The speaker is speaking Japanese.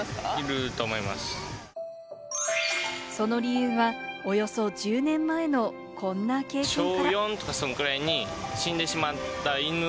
その理由は、およそ１０年前のこんな経験から。